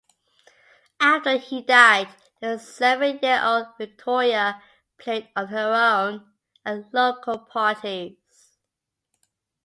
After he died, the seven-year-old Victoria played on her own at local parties.